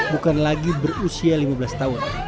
bukan lagi berusia lima belas tahun